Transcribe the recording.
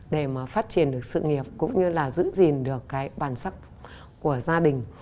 để mà phát triển được sự nghiệp cũng như là giữ gìn được cái bản sắc của gia đình